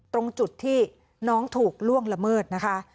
ตรงจุดที่น้องถูกล่วงละเมิดนะคะ